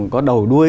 có đầu đuôi